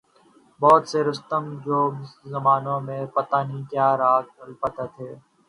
بہت سے رستم جو گزرے زمانوں میں پتہ نہیں کیا راگ الاپتے تھے۔